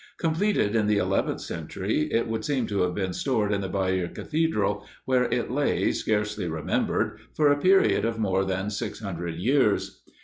Completed in the eleventh century, it would seem to have been stored in the Bayeux cathedral, where it lay, scarcely remembered, for a period of more than six hundred years.